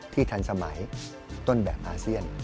ทันสมัยต้นแบบอาเซียน